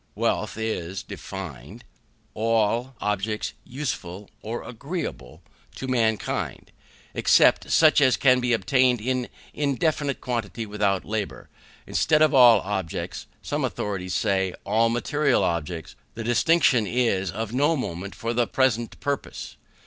Wealth is defined, all objects useful or agreeable to mankind, except such as can be obtained in indefinite quantity without labour. Instead of all objects, some authorities say, all material objects: the distinction is of no moment for the present purpose.